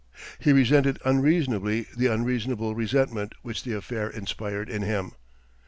He resented unreasonably the unreasonable resentment which the affair inspired in him.